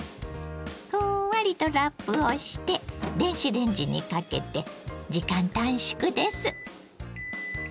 ふんわりとラップをして電子レンジにかけて時間短縮です。